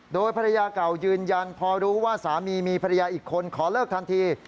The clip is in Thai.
โดยภรรยาเก่ายืนยันพอรู้ว่าสามีมีภรรยาอีกคนขอเลิกทันที